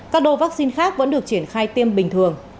các đô vaccine khác vẫn được triển khai tiêm bình thường